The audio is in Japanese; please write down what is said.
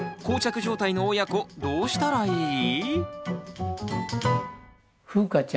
こう着状態の親子どうしたらいい？